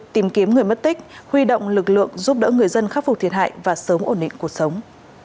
tìm kiếm người mất tích huy động lực lượng giúp đỡ người dân khắc phục thiệt hại và sớm ổn định cuộc sống